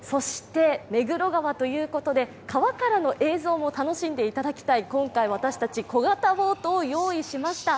目黒川ということで川からの映像も楽しんでいただきたい、今回、私たち小型ボートを用意しました。